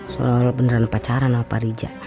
seolah olah beneran pacaran sama rija